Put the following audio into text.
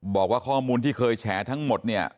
บอกว่าข้อมูลที่เคยแฉทั้งหมดเนี่ย